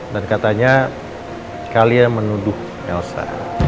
dan katanya kalian menuduh elsa